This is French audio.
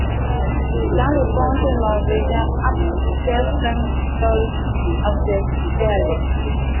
Dans le conte norvégien (Asbjœrnsen, _Tales of the Fjeld_, p.